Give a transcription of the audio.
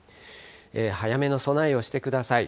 早めの備えをしてください。